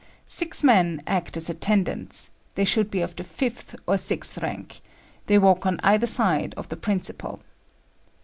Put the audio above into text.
Six men act as attendants; they should be of the fifth or sixth rank; they walk on either side of the principal.